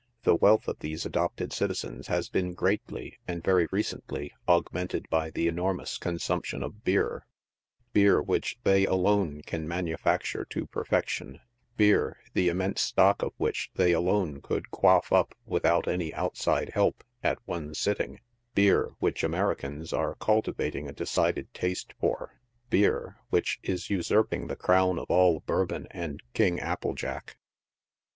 The wealth of these adopted citizens has been greatly and very recently augmented by the enormous consumption of besr — beer which they alone can manufacture to perfection — beer, the immense stock of which they alone could quaff up without any out side help, at one sitting — beer which Americans are cultivating a decided taste for — beer which is usurping the crown of all Bourbon and King Apple Jack.